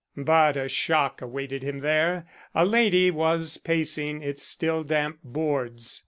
But a shock awaited him there. A lady was pacing its still damp boards.